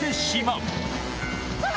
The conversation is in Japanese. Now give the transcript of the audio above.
うわ！